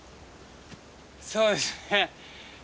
そうですね